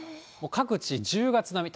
各地、１０月並み。